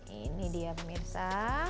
ini dia pemirsa